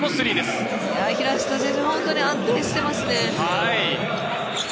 平下選手、本当に安定していますね。